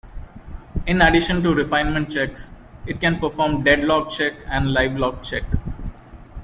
In addition to refinement checks, It can perform deadlock check and livelock check.